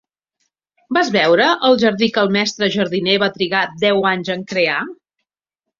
Vas veure el jardí que el mestre jardiner va trigar deu anys en crear?